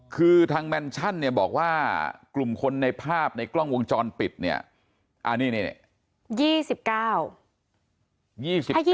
คือทางแมนชั่นเนี่ยบอกว่ากลุ่มคนในภาพในกล้องวงจรปิดเนี่ย